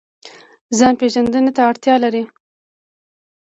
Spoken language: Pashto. ځان پیژندنې ته اړتیا لري